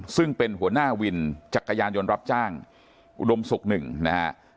ซึ่งเป็นหัวหน้าวินจักรยานยนต์รับจ้างอุดมศุกร์หนึ่งนะฮะ